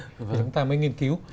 thì chúng ta mới nghiên cứu